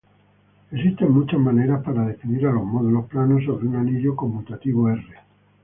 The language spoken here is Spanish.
Existen muchas maneras para definir a los módulos planos sobre un anillo conmutativo "R".